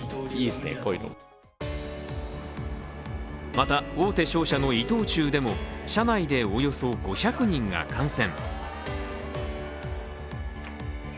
また、大手商社の伊藤忠でも社内でおよそ５００人が観戦。